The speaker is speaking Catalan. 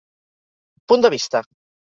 Punt de vista.